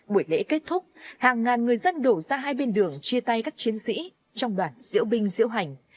buổi lễ kết thúc hàng ngàn người dân đổ ra hai bên đường chia tay các chiến sĩ trong đoàn diễu binh diễu hành